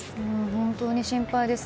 本当に心配です。